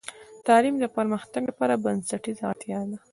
تعلیم د پرمختګ لپاره بنسټیزه اړتیا ده.